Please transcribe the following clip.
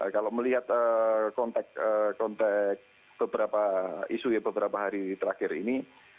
kalau melihat kontek kontek beberapa isu beberapa hari terakhir ini